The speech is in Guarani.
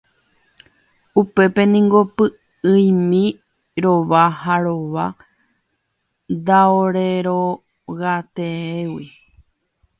Upépe niko py'ỹimi rova ha rova ndaorerogateéigui.